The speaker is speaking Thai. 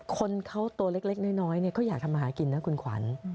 คนเขาตัวเล็กน้อยเขาอยากทำมาหากินนะคุณขวัญ